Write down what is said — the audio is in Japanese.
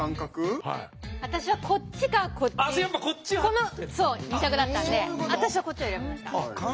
この２択だったんで私はこっちを選びました。